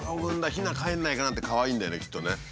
ヒナかえらないかなってかわいいんだよねきっとね。